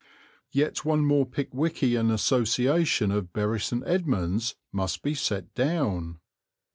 Yet one more Pickwickian association of Bury St. Edmunds must be set down.